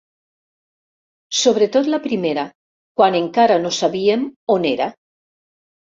Sobretot la primera, quan encara no sabíem on era.